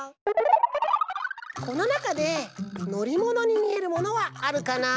このなかでのりものにみえるものはあるかな？